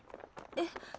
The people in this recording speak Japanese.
えっ？